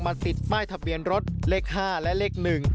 ติดป้ายทะเบียนรถเลข๕และเลข๑